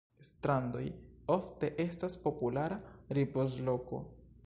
Strandoj ofte estas populara ripozloko.